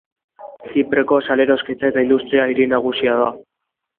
Zipreko salerosketa eta industria hiri nagusia da.